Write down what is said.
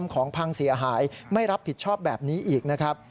ของพังเสียหายไม่รับผิดชอบแบบนี้อีกนะครับ